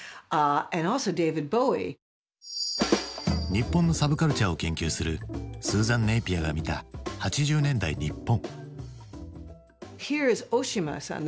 日本のサブカルチャーを研究するスーザン・ネイピアが見た８０年代日本。